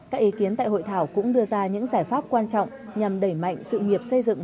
các ý kiến tại hội thảo cũng đưa ra những giải pháp quan trọng nhằm đẩy mạnh sự nghiệp xây dựng